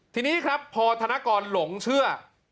ทีนี้ครับพอธนกรหลงเชื่อ